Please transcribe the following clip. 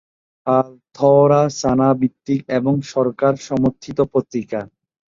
আল-থওরা Sanaa ভিত্তিক এবং সরকার-সমর্থিত পত্রিকা।